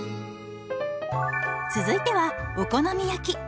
続いてはお好み焼き。